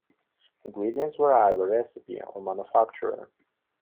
Ingredients vary by recipe or manufacturer.